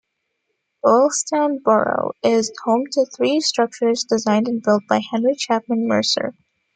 Doylestown Borough is home to three structures designed and built by Henry Chapman Mercer.